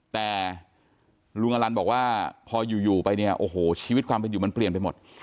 แต่ลุงอลันบอกว่าพออยู่ไปเนี่ยโอ้โหชีวิตความเป็นอยู่มันเปลี่ยนไปหมด